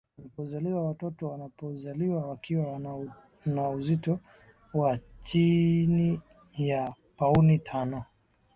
anapozaliwa watoto wanapozaliwa wakiwa na uzito wa chini ya pauni tano